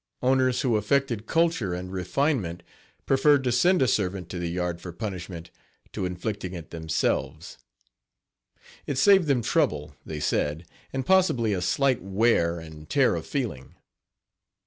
Owners who affected culture and refinement preferred to send a servant to the yard for punishment to inflicting it themselves. It saved them trouble, they said, and possibly a slight wear and tear of feeling.